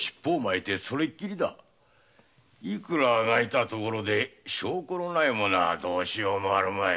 いくら足掻いたところで証拠のないものは致し方あるまい。